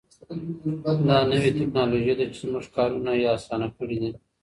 دا نوې تکنالوژي ده چې زموږ کارونه یې اسانه کړي دي.